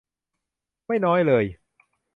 ไม่น้อยเลย